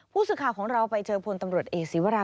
ผู้สื่อข่าวของเราไปเจอพลตำรวจเอกศีวรา